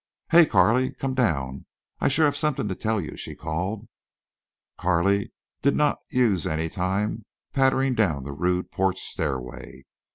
"Hey Carley, come down. I shore have something to tell you," she called. Carley did not use any time pattering down that rude porch stairway.